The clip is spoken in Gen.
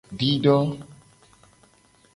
Dido.